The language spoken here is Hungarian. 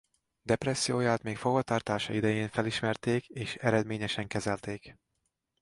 Depresszióját még fogvatartása idején felismerték és eredményesen kezelték.